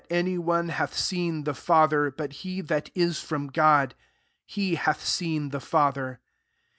any one hath seen the Father, but he that is from God; he hath seen the Father.